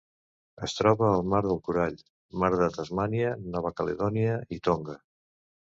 Es troba al Mar del Corall, Mar de Tasmània, Nova Caledònia i Tonga.